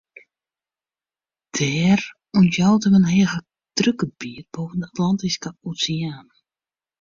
Der ûntjout him in hegedrukgebiet boppe de Atlantyske Oseaan.